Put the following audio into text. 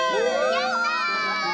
やった！